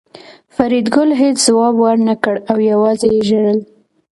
فریدګل هېڅ ځواب ورنکړ او یوازې یې ژړل